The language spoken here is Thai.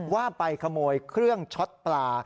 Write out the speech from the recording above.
ว่าไปขโมยเครื่องช็อตปลา